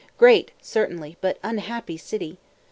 Great, certainly, but unhappy city!